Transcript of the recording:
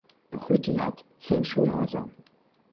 Rüti hat zehn Schulhäuser.